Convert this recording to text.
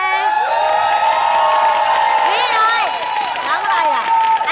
น้ำอะไรอ่ะ